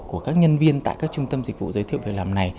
ứng viên tại các trung tâm dịch vụ giới thiệu việc làm này